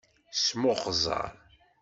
Smuxẓer.